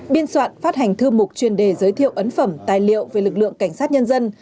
biên soạn phát hành thư mục chuyên đề giới thiệu ấn phẩm tài liệu về lực lượng cảnh sát nhân dân